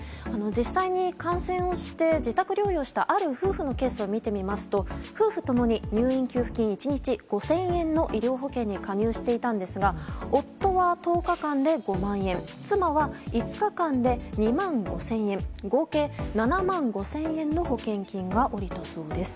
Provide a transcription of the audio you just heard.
実際に感染をして、自宅療養したある夫婦のケースを見てみますと夫婦ともに入院給付金１日５０００円の医療保険に加入していたんですが夫は１０日間で５万円妻は５日間で２万５０００円合計７万５０００円の保険金が下りたそうです。